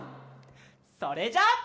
それじゃあ。